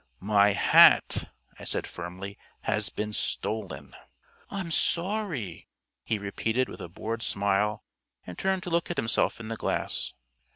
"My hat," I said firmly, "has been stolen." "I'm sorry," he repeated with a bored smile, and turned to look at himself in the glass.